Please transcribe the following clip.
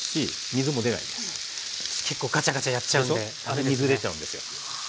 あれ水出ちゃうんですよ。